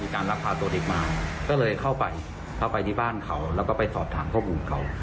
ก็เลยเข้าไปที่บ้านเขาแล้วก็ไปสอบถามพวกอุทธ์เขา